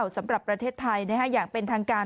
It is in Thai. สำหรับประเทศไทยอย่างเป็นทางการ